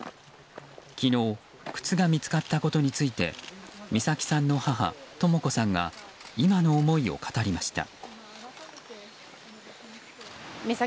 昨日靴が見つかったことについて美咲さんの母とも子さんが今の思いを語りました。